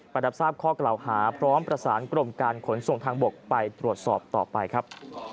รับทราบข้อกล่าวหาพร้อมประสานกรมการขนส่งทางบกไปตรวจสอบต่อไปครับ